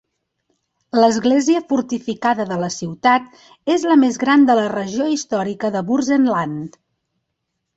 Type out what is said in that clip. L'església fortificada de la ciutat és la més gran de la regió històrica de Burzenland.